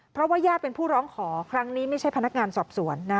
เพราะว่าญาติเป็นผู้ร้องขอครั้งนี้ไม่ใช่พนักงานสอบสวนนะ